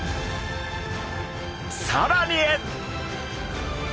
さらに！